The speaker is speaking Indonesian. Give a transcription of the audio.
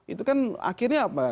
itu kan akhirnya apa